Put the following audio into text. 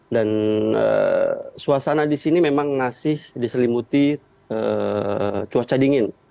dan suasana di sini memang masih diselimuti cuaca dingin